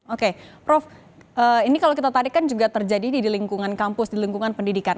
oke prof ini kalau kita tarik kan juga terjadi di lingkungan kampus di lingkungan pendidikan